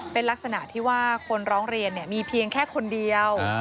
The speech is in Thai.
เป็นลักษณะที่ว่าคนร้องเรียนมีเพียงแค่คนเดียว